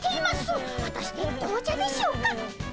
はたして紅茶でしょうか？